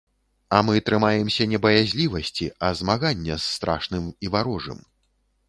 А мы трымаемся не баязлівасці, а змагання з страшным і варожым.